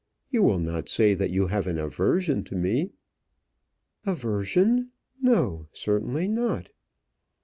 You will not say that you have an aversion to me?" "Aversion! No, certainly not."